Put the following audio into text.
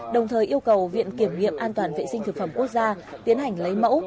đồng thời yêu cầu viện kiểm nghiệm an toàn vệ sinh thực phẩm quốc gia tiến hành lấy mẫu